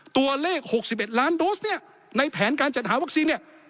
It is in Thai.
ตัวเลข๖๑ล้านโดสเนี่ยในแผนการจัดหาวัคซีนเนี่ย